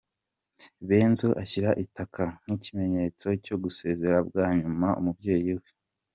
Benzo ashyira itaka nk'ikimenyetso cyo gusezera bwa nyuma umubyeyi we.